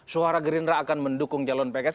suara gerindra akan mendukung calon pks